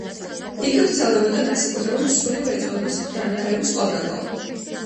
იგი ვრცელდებოდა განსაკუთრებით მსხვილი მრეწველობის განვითარების კვალდაკვალ.